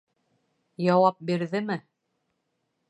Яуап бирҙеме?